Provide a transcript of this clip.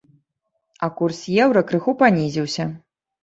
А курс еўра крыху панізіўся.